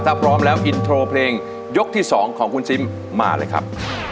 ถ้าพร้อมแล้วอินโทรเพลงยกที่๒ของคุณซิมมาเลยครับ